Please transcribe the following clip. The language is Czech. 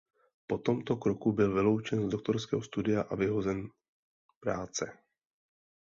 Po tomto kroku byl vyloučen z doktorského studia a vyhozen práce.